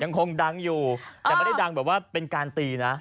คงดังอยู่แต่ไม่ได้ดังแบบว่าเป็นการตีนะ